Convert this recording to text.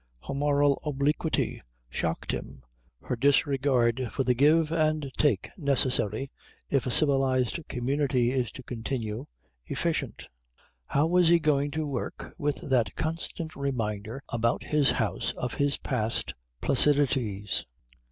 Her moral obliquity shocked him, her disregard for the give and take necessary if a civilised community is to continue efficient. How was he going to work with that constant reminder about his house of his past placidities?